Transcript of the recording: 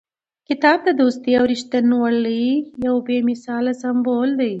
کتاب د دوستۍ او رښتینولۍ یو بې مثاله سمبول دی.